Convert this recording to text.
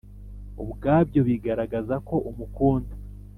ubwabyo bigaragaza ko umukunda